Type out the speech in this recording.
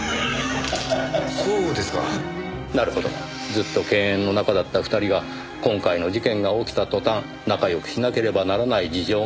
ずっと犬猿の仲だった２人が今回の事件が起きた途端仲よくしなければならない事情が出来た。